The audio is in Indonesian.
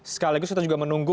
sekaligus kita juga menunggu